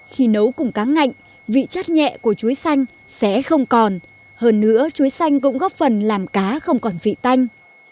khi nấu cùng cá ngạnh vị chất nhẹ của chuối xanh sẽ không còn hơn nữa chuối xanh cũng góp phần làm cá không còn vị tanh